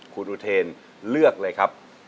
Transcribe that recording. คุณอุเทนเลือกเลยครับ